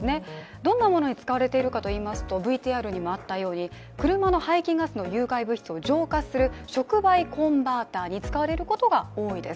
どんなものに使われているかといいますとＶＴＲにもあったように車の排気ガスの有害物質を浄化する、触媒コンバーターに使われることが多いです。